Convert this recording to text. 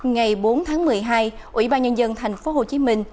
ngày bốn tháng một mươi hai ủy ban nhân dân thành phố hồ chí minh